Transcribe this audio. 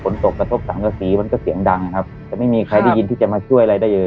ตกกระทบสังกษีมันก็เสียงดังนะครับแต่ไม่มีใครได้ยินที่จะมาช่วยอะไรได้เลย